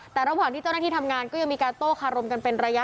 แต่ระหว่างที่เจ้าหน้าที่ทำงานก็ยังมีการโต้คารมกันเป็นระยะ